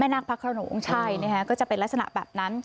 นาคพระขนงใช่ก็จะเป็นลักษณะแบบนั้น